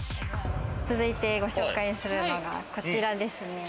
続いてご紹介するのが、こちらですね。